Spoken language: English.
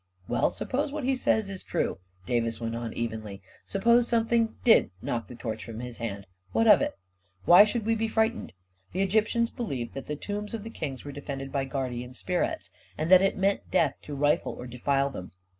44 Well, suppose what he says is true," Davis went on, evenly; " suppose something did knock the torch from his hand — what of it? Why should we be frightened? The Egyptians believed that the tombs of the kings were defended by guardian spir its, and that it meant death to rifle or defile them.